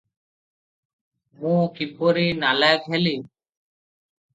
ମୁଁ କିପରି ନାଲାଏକ ହେଲି?